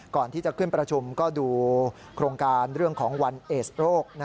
ก่อนที่จะขึ้นประชุมก็ดูโครงการเรื่องของวันเอสโรค